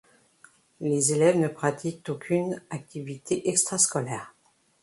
Les élèves ne pratiquent aucune activité extra scolaire.